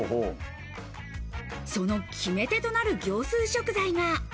その決め手となる業スー食材が。